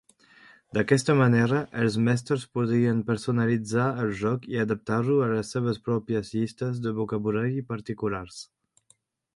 D'aquesta manera, els mestres podrien personalitzar el joc i adaptar-lo a les seves pròpies llistes de vocabulari particulars.